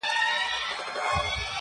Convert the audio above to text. • سړي وویل راغلی مسافر یم -